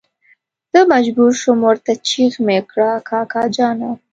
زه مجبور شوم ورته چيغه مې کړه کاکا جانه.